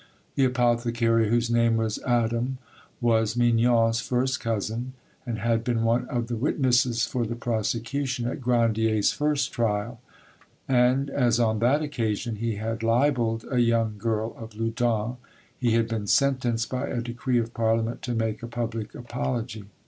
The apothecary, whose name was Adam, was Mignon's first cousin, and had been one of the witnesses for the prosecution at Grandier's first trial; and as on that occasion—he had libelled a young girl of Loudun, he had been sentenced by a decree of Parliament to make a public apology.